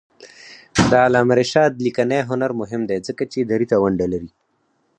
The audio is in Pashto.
د علامه رشاد لیکنی هنر مهم دی ځکه چې دري ته ونډه لري.